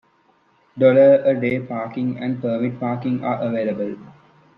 Dollar-a-day parking and permit parking are available.